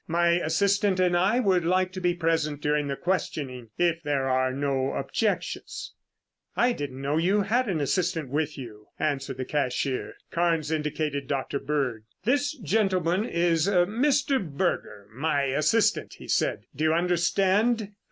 "My assistant and I would like to be present during the questioning, if there are no objections." "I didn't know that you had an assistant with you," answered the cashier. Carnes indicated Dr. Bird. "This gentleman is Mr. Berger, my assistant," he said. "Do you understand?"